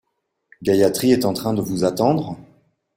Gayathri est en train de vous attendre ?